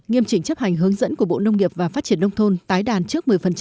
nghiêm chỉnh chấp hành hướng dẫn của bộ nông nghiệp và phát triển nông thôn tái đàn trước một mươi